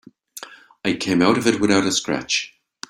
I came out of it without a scratch.